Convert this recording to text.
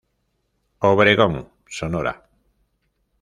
Obregón, Sonora.